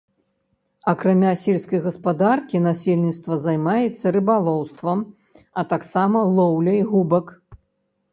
Акрамя сельскай гаспадаркі насельніцтва займаецца рыбалоўствам, а таксама лоўляй губак.